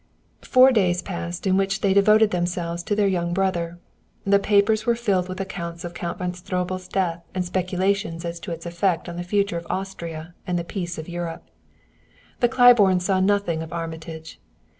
Four days passed, in which they devoted themselves to their young brother. The papers were filled with accounts of Count von Stroebel's death and speculations as to its effect on the future of Austria and the peace of Europe. The Claibornes saw nothing of Armitage.